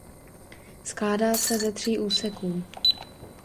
Skládá se ze tří úseků.